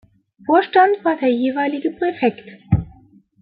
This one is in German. Vorstand war der jeweilige Präfekt.